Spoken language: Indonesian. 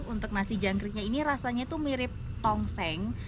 untuk nasi jangkriknya ini rasanya itu mirip tongseng